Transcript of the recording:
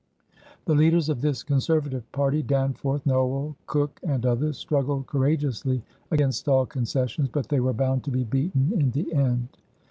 The leaders of this conservative party, Danforth, Nowell, Cooke, and others, struggled courageously against all concessions, but they were bound to be beaten in the end.